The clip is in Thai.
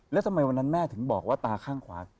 แล้วทำไมวันนั้นแม่ถึงบอกว่าตาข้างขวา